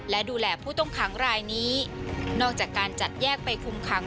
และดูแลผู้ต้องขังรายนี้นอกจากการจัดแยกไปคุมขัง